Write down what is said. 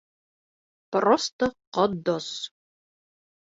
Просто Ҡотдос.